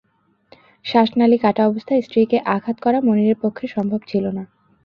শ্বাসনালি কাটা অবস্থায় স্ত্রীকে আঘাত করা মনিরের পক্ষে সম্ভব ছিল না।